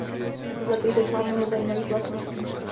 Zlatý řez má mnoho zajímavých vlastností.